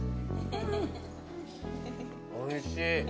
おいしい。